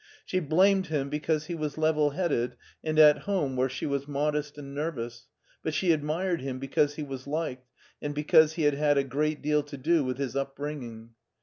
She blamed him because he was level headed and at home where she was modest and nervous, but she admired him because he was liked, and because she had had a great deal to do with his upbringing.